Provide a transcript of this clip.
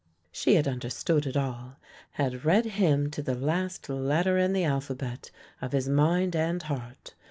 She had understood it all, had read him to the last letter in the alphabet of his mind and heart.